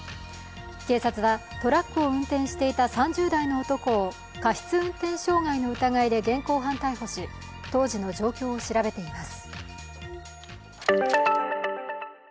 警察は、トラックを運転していた３０代の男を過失運転傷害の疑いで現行犯逮捕し、当時の状況を調べています。